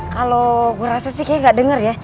kalau gue rasa sih kayaknya gak denger ya